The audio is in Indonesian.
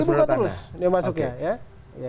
dibuka terus yang masuknya